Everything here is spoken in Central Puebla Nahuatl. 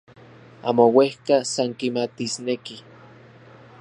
Amo uejka, san kimatisneki.